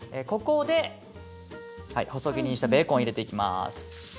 ここで細切りにしたベーコンを入れていきます。